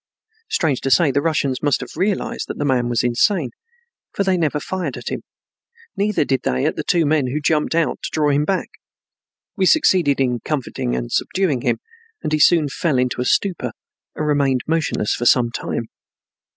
Strange to say, the Russians must have realized that the man was insane, for they never fired at him, neither did they at the two men who jumped out to draw him back. We succeeded in comforting and subduing him, and he soon fell into a stupor and remained motionless for some time.